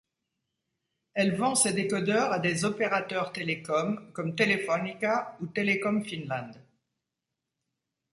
Elle vend ses décodeurs à des opérateurs télécoms comme Telefonica ou Telecom Finland.